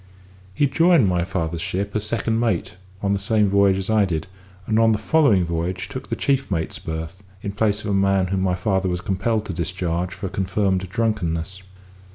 He joined my father's ship as second mate, on the same voyage as I did, and on the following voyage took the chief mate's berth, in place of a man whom my father was compelled to discharge for confirmed drunkenness.